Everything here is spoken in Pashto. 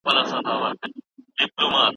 کابل کې اوس کوم وخت دی؟